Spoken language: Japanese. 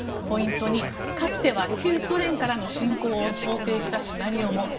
ポイント２かつては旧ソ連からの侵攻を想定したシナリオも。